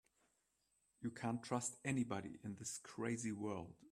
You can't trust anybody in this crazy world.